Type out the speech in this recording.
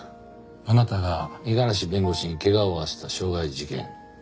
あなたが五十嵐弁護士に怪我を負わせた傷害事件。